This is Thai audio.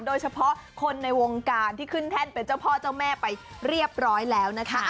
โดยเฉพาะคนในวงการที่ขึ้นแท่นเป็นเจ้าพ่อเจ้าแม่ไปเรียบร้อยแล้วนะคะ